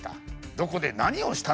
どこで何をした？